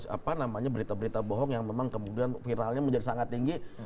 apa namanya berita berita bohong yang memang kemudian viralnya menjadi sangat tinggi